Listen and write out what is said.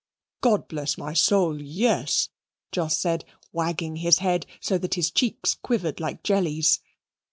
"God bless my soul, yes," Jos said, wagging his head, so that his cheeks quivered like jellies.